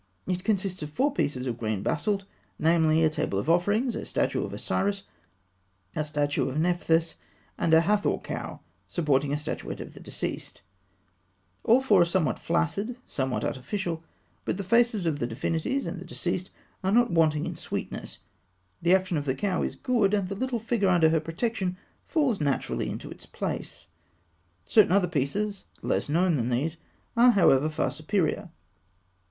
It consists of four pieces of green basalt; namely, a table of offerings, a statue of Osiris, a statue of Nephthys, and a Hathor cow supporting a statuette of the deceased (fig. 204). All four are somewhat flaccid, somewhat artificial; but the faces of the divinities and the deceased are not wanting in sweetness; the action of the cow is good; and the little figure under her protection falls naturally into its place. Certain other pieces, less known than these, are however far superior.